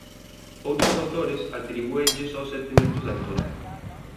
Outros autores atribúenlle só sete metros de altura.